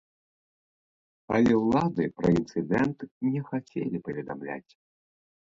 Але ўлады пра інцыдэнт не хацелі паведамляць.